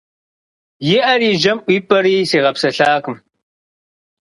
И Ӏэр и жьэм ӀуипӀэри сигъэпсэлъакъым.